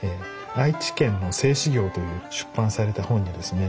「愛知県の製糸業」という出版された本にですね